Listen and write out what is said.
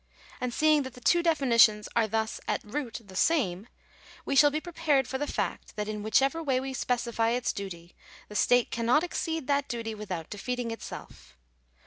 And seeing that the two j definitions are thus at root the same, we shall be prepared for the ,; fact that, in whichever way we specify its duty, the state cannot I exceed that duty without defeating itself.